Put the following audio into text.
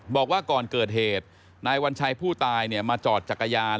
บอกว่าก่อนเกิดเหตุนายวัญชัยผู้ตายมาจอดจักรยาน